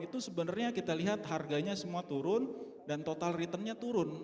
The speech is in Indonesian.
itu sebenarnya kita lihat harganya semua turun dan total returnnya turun